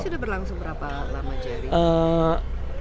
sudah berlangsung berapa lama jerry